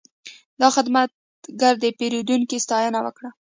دا خدمتګر د پیرودونکي ستاینه وکړه.